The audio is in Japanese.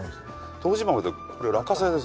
唐人豆ってこれ落花生です。